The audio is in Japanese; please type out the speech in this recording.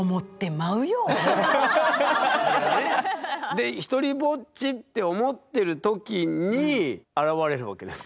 でひとりぼっちって思ってる時に現れるわけですか？